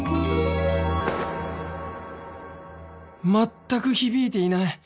全く響いていない！